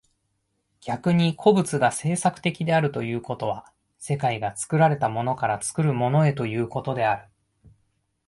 逆に個物が製作的であるということは、世界が作られたものから作るものへということである。